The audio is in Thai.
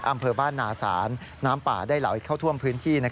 อำเภอบ้านนาศาลน้ำป่าได้ไหลเข้าท่วมพื้นที่